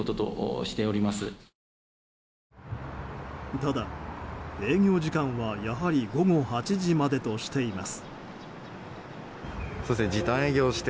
ただ営業時間は、やはり午後８時までとしています。